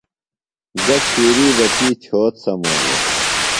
گہ ڇِھیری بہ تی چھوت سمولوۡ۔